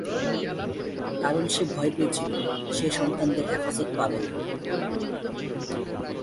কারণ, সে ভয় পেয়েছিল সে সন্তানদের হেফাজত পাবে না।